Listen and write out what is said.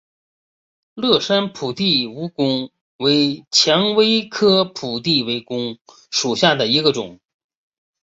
乐山铺地蜈蚣为蔷薇科铺地蜈蚣属下的一个种。